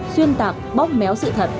xuyên tạc bóp méo sự thật